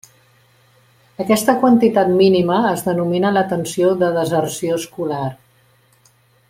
Aquesta quantitat mínima es denomina la tensió de deserció escolar.